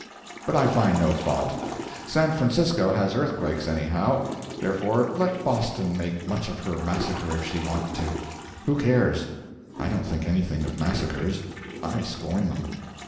But I find no fault. San Francisco has earthquakes, anyhow. Therefore let Boson make much of her massacre if she want to—who cares? I don't think anything of massacres. I scorn them.